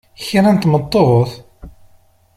Kra n tmeṭṭut!